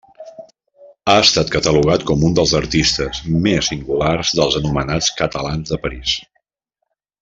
Ha estat catalogat com un dels artistes més singulars dels anomenats 'catalans de París'.